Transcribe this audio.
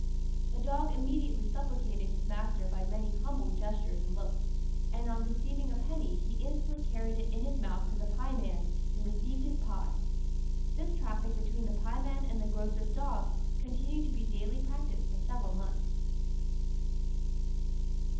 The dog immediately supplicated his master by many humble gestures and looks, and on receiving a penny he instantly carried it in his mouth to the pieman, and received his pie. This traffic between the pieman and the grocer's dog continued to be daily practised for several months."